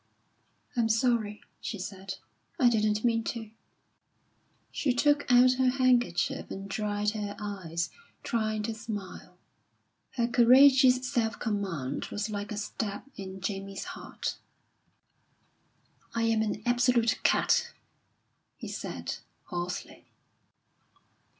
"I'm sorry," she said; "I didn't mean to." She took out her handkerchief and dried her eyes, trying to smile. Her courageous self command was like a stab in Jamie's heart. "I am an absolute cad!" he said, hoarsely.